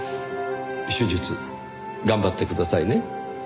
手術頑張ってくださいね。